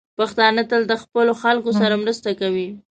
پښتانه تل له خپلو خلکو سره مرسته کوي.